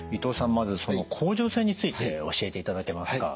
まずその甲状腺について教えていただけますか？